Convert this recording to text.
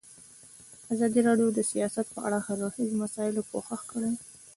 ازادي راډیو د سیاست په اړه د هر اړخیزو مسایلو پوښښ کړی.